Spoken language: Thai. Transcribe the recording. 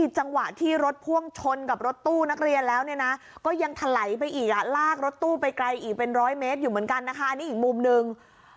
จังหวะที่รถพ่วงชนกับรถตู้นักเรียนก็ยังทะไหลลากรถตู้ไปไกล๑๐๐เมตรอยู่เหมือนกันอันนี้อีกมุมหนึ่ง